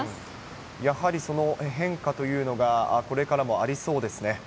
やはりその変化というのが、これからもありそうですね。